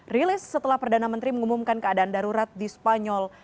rilis setelah perdana menteri mengumumkan keadaan darurat di spanyol